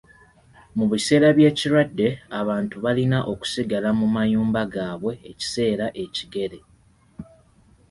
Mu biseera by'ekirwadde, abantu baalina okusigala mu mayumba gaabwe ekiseera ekigere.